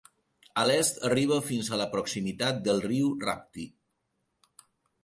A l'est arriba fins a la proximitat del riu Rapti.